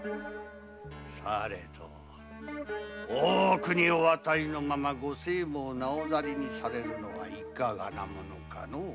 されど大奥にお渡りのままでご政務をなおざりになさるのはいかがなものかのぅ。